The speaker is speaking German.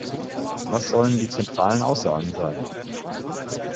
Was sollen die zentralen Aussagen sein?